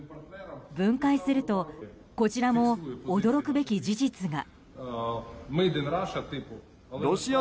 分解するとこちらも驚くべき事実が。